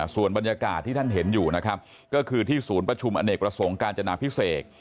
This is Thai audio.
ส่วนบรรยากาศที่ท่านเห็นอยู่นะครับก็คือที่ศูนย์ประชุมอเนกประสงค์การจนาพิเศษ